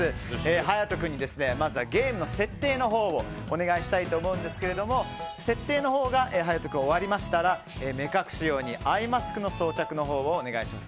勇人君にゲームの設定のほうをお願いしたいと思うんですけど設定が終わりましたら目隠し用にアイマスクの装着をお願いします。